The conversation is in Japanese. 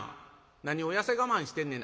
「何を痩せ我慢してんねん。